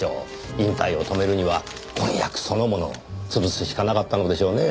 引退を止めるには婚約そのものを潰すしかなかったのでしょうねぇ。